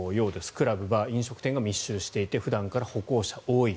クラブ、バー、飲食店が密集していて普段から歩行者が多い。